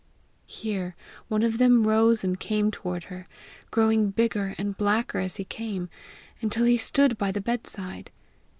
Here one of them rose and came toward her, growing bigger and blacker as he came, until he stood by the bedside.